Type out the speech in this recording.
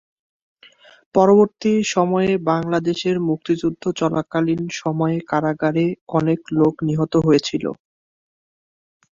পরবর্তী সময়ে বাংলাদেশের মুক্তিযুদ্ধ চলাকালীন সময়ে কারাগারে অনেক লোক নিহত হয়েছিল।